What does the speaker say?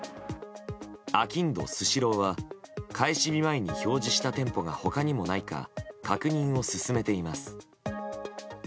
あきんどスシローは開始日前に表示した店舗が他にもないか確認を進めています。